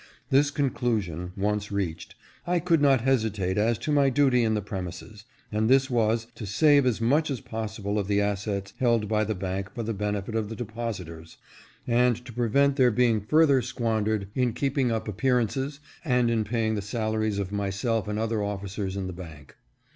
This conclu sion once reached, I could not hesitate as to my duty in the premises, and this was, to save as much as possible of the assets held by the bank for the benefit of the de positors ; and to prevent their being further squandered in keeping up appearances, and in paying the salaries of myself and other officers in the bank.